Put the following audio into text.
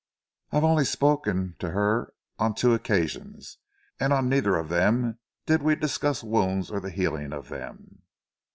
"I have only spoken to her on two occasions, and on neither of them did we discuss wounds or the healing of them."